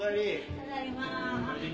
ただいま。